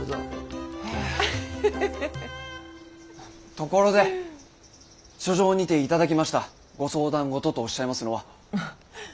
ところで書状にて頂きましたご相談事とおっしゃいますのは。